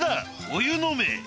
お湯飲め」